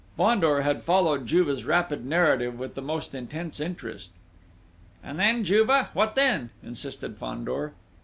Fandor had followed Juve's rapid narrative with the most intense interest. "And then, Juve, what then?" insisted Fandor.